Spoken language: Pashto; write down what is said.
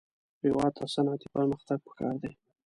هېواد ته صنعتي پرمختګ پکار دی